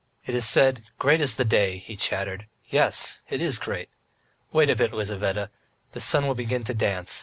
"It is said, 'Great is the day,'" he chattered. "Yes, it is great! Wait a bit, Lizaveta, the sun will begin to dance.